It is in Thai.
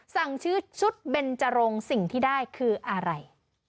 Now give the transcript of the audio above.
สั่งชื่อชุดเบนจรงสิ่งที่ได้คืออะไร